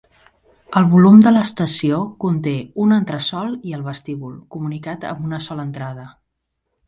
El volum de l'estació conté un entresol i el vestíbul, comunicat amb una sola entrada.